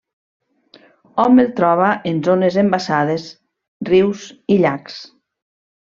Hom el troba en zones embassades, rius i llacs.